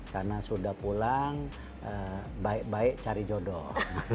karena sudah pulang baik baik cari jodoh